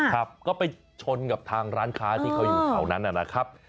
ครับก็ไปชนกับทางร้านค้าที่เขาอยู่แถวนั้นนะครับ